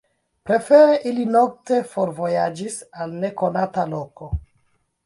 Prefere ili nokte forvojaĝis al nekonata loko.